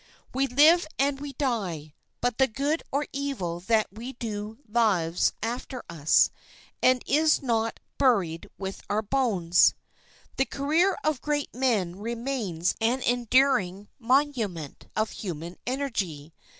We live and we die, but the good or evil that we do lives after us, and is not "buried with our bones." The career of great men remains an enduring monument of human energy.